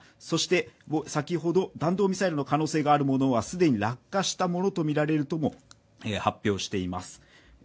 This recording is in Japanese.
そして先ほど、弾道ミサイルの可能性のあるものは既に落下したものとみられるとも発表しています。